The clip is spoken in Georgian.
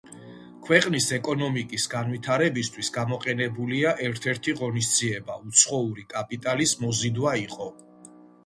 ქვეყნის ეკონომიკის განვითარებისთვის გამოყენებული ერთ-ერთი ღონისძიება უცხოური კაპიტალის მოზიდვა იყო.